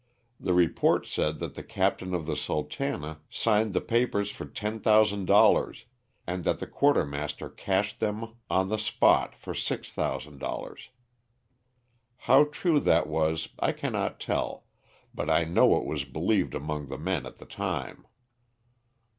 The report said that the captain of the ''Sultana'^ signed the papers for $10, 000, and that the quartermaster cashed them on the spot for $6,000. How true that was I cannot tell, but I know it was believed among the men at the time.